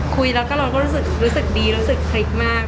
คุยแล้วก็เราก็รู้สึกดีรู้สึกคลิกมาก